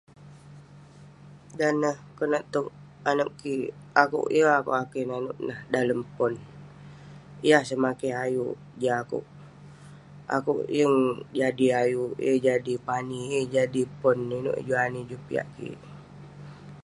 Dan neh konak towk anag kik, akouk yeng akouk akeh nanouk nah dalem pon, yah semakeh ayuk jin akouk..akouk yeng jadi ayuk, yeng jadi pani, yeng jadi pon..inouk eh juk ani juk piak kik..